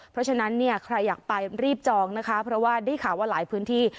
เพราะฉะนั้นเนี่ยใครอยากไปรีบจองนะคะเพราะว่าได้ข่าวว่าหลายพื้นที่